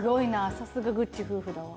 さすがぐっち夫婦だわ。